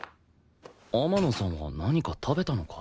天野さんは何か食べたのか？